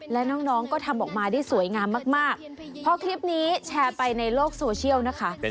และน้องก็ทำออกมาได้สวยงามมากมากพอคลิปนี้แชร์ไปในโลกโซเชียลนะคะ